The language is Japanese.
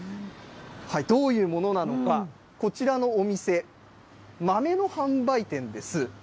どういうものなのか、こちらのお店、豆の販売店です。